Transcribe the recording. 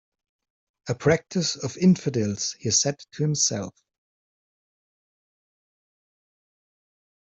"A practice of infidels," he said to himself.